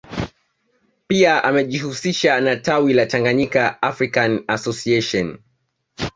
Pia amejihusisha na tawi la Tanganyika African Association